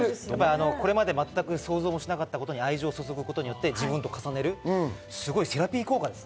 これまで全く想像していなかったものに愛情を注ぐことによって自分が成長する、セラピー効果です。